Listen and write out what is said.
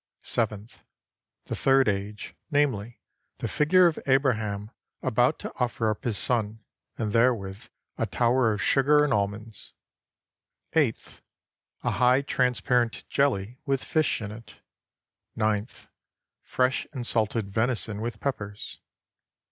Seventh The third age, namely, the figure of Abraham about to offer up his son, and therewith a tower of sugar and almonds. Eighth A high transparent jelly with fish in it. Ninth Fresh and salted venison with peppers.